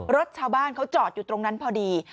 รถชาวบ้านเขาจอดอยู่ตรงนั้นพอดี